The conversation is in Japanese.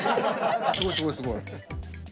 すごい、すごい、すごい。